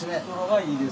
はい。